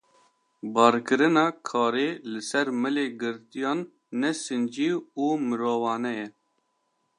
Barkirina karê li ser milê girtiyan ne sincî û mirovane ye.